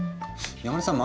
山根さん